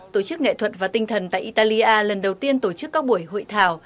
tổ chức nghệ thuật và tinh thần tại italia lần đầu tiên tổ chức các buổi hội thảo